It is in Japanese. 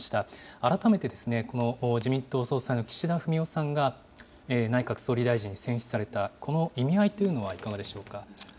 改めてこの自民党総裁の岸田文雄さんが内閣総理大臣に選出された、この意味合いというのはいかがでしょうか。